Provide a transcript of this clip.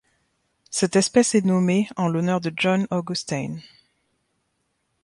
Cette espèce est nommée en l'honneur de John Augusteyn.